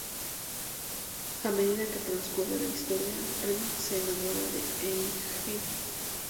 A medida que transcurre la historia, Rin se enamora de Eiji.